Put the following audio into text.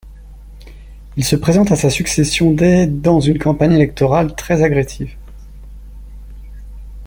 Il se présente à sa succession dès dans une campagne électorale très agressive.